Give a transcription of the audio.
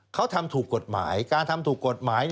เขาทำถูกกฎหมายการทำถูกกฎหมาย